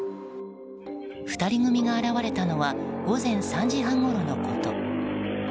２人組が現れたのは午前３時半ごろのこと。